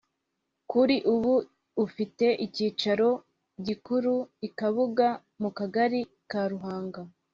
kuri ubu ufite icyicaro gikuru i kabuga mu kagari ka ruhanga